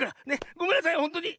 ごめんなさいほんとに。